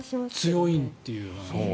強いという。